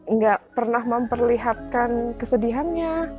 nggak pernah memperlihatkan kesedihannya